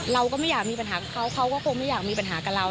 เราก็ไม่อยากมีปัญหากับเขาเขาก็คงไม่อยากมีปัญหากับเรา